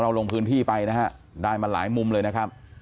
ลงพื้นที่ไปนะฮะได้มาหลายมุมเลยนะครับ